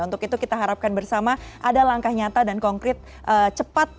untuk itu kita harapkan bersama ada langkah nyata dan konkret cepat